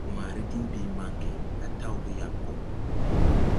Wããre diŋ bii mange, a taw ge yaŋ go.